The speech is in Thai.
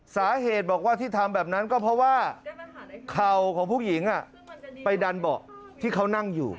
สาเหตุบอกว่าที่ทำแบบนั้นก็เพราะว่าเข่าของผู้หญิงไปดันเบาะที่เขานั่งอยู่